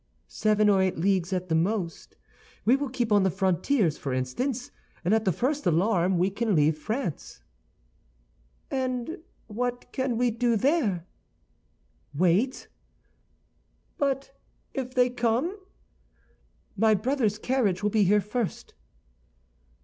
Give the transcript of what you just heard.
"Seven or eight leagues at the most. We will keep on the frontiers, for instance; and at the first alarm we can leave France." "And what can we do there?" "Wait." "But if they come?" "My brother's carriage will be here first."